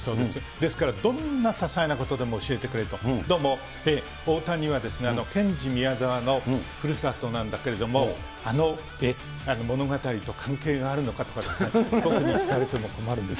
ですからどんなささいなことでも教えてくれると、どうも大谷は、けんじ・みやざわのふるさとなんだけれども、あの物語と関係があるのかとか、僕に聞かれても困るんですね。